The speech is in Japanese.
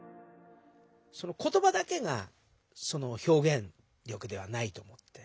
言葉だけが表現力ではないと思って。